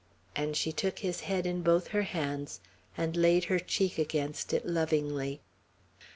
and she took his head in both her hands, and laid her cheek against it lovingly.